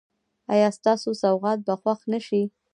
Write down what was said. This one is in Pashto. ایا ستاسو سوغات به خوښ نه شي؟